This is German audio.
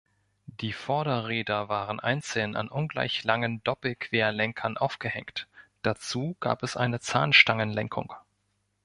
Die Vorderräder waren einzeln an ungleich langen Doppelquerlenkern aufgehängt, dazu gab es eine Zahnstangenlenkung.